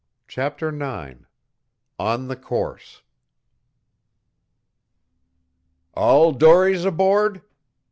CHAPTER IX ON THE COURSE "All dories aboard?